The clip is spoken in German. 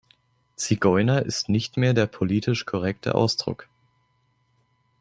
Zigeuner ist nicht mehr der politische korrekte Ausdruck.